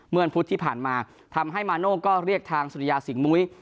วันพุธที่ผ่านมาทำให้มาโน่ก็เรียกทางสุริยาสิงหมุ้ย